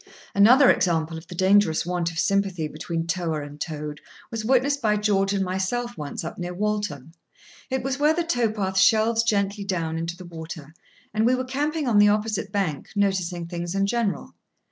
Another example of the dangerous want of sympathy between tower and towed was witnessed by George and myself once up near Walton. It was where the tow path shelves gently down into the water, and we were camping on the opposite bank, noticing things in general.